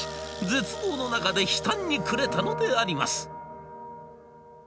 絶望の中で悲嘆に暮れたのであります。